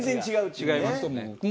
違いますね。